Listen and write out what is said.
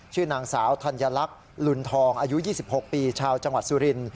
ชื่อนางสาวธัญลักษณ์ลุนทองอายุ๒๖ปีชาวจังหวัดสุริน